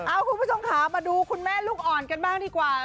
คุณผู้ชมค่ะมาดูคุณแม่ลูกอ่อนกันบ้างดีกว่า